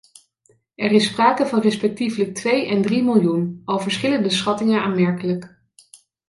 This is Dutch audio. Er is sprake van respectievelijk twee en drie miljoen, al verschillen de schattingen aanmerkelijk.